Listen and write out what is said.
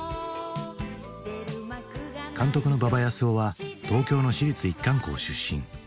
監督の馬場康夫は東京の私立一貫校出身。